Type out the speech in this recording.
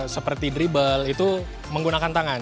seperti drible itu menggunakan tangan